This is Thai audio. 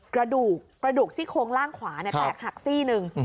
กระดูกซี่โคงล่างขวาเนี่ยแตกหักซี่หนึ่ง